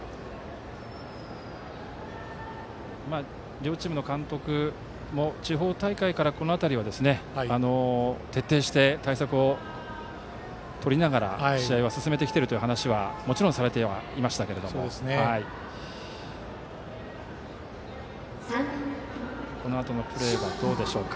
両チームの監督も地方大会からこの辺りは徹底して対策をとりながら試合を進めているという話はもちろんされてはいましたけれどもこのあとのプレーはどうでしょうか。